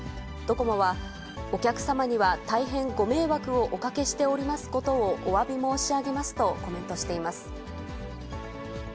ドコモはお客様には大変ご迷惑をおかけしておりますことをおわび申し上げますとコメントしています。